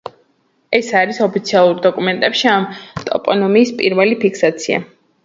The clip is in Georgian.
ეს არის ოფიციალურ დოკუმენტებში ამ ტოპონიმის პირველი ფიქსაცია.